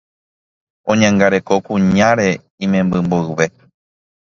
oñangareko kuñáre imemby mboyve